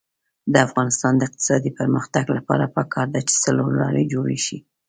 د افغانستان د اقتصادي پرمختګ لپاره پکار ده چې څلورلارې جوړې شي.